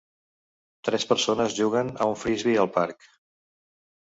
Tres persones juguen a un frisbee al parc.